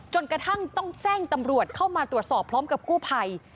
จนกระทั่งต้องแจ้งตำรวจเข้ามาตรวจสอบพร้อมกับกู้ภัย